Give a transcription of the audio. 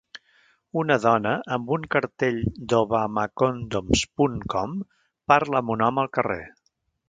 Una dona amb un cartell d'Obamacondoms.com parla amb un home al carrer.